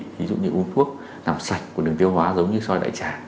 ví dụ như uống thuốc làm sạch của đường tiêu hóa giống như soi đại trà